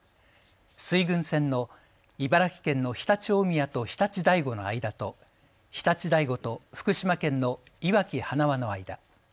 水郡線の茨城県の常陸大宮と常陸大子の間と常陸大子と福島県の磐城塙の間。